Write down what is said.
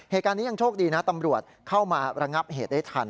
เหตุการณ์นี้ยังโชคดีนะตำรวจเข้ามาระงับเหตุได้ทัน